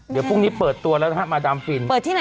เดี๋ยวพรุ่งนี้เปิดตัวแล้วดามฟิน